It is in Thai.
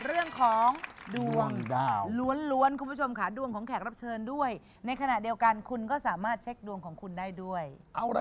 ซามคนภาษาดวงล้วนประชุมขาดวงของแขกรับเชิญด้วยในขณะเดียวกันคุณก็สามารถเซ็คดีกว่าได้จริงด้วยทั้งเทพธีนด้วยค่ะ